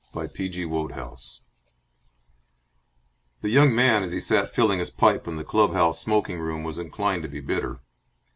7 The Long Hole The young man, as he sat filling his pipe in the club house smoking room, was inclined to be bitter.